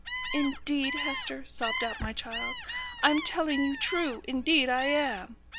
'Indeed, Hester,' sobbed out my child, 'I'm telling you true. Indeed I am.'